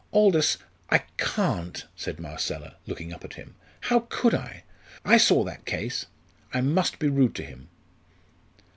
"Aldous, I can't," said Marcella, looking up at him. "How could I? I saw that case. I must be rude to him."